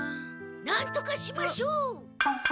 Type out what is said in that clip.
なんとかしましょう！